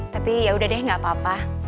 tapi ya udah deh gak apa apa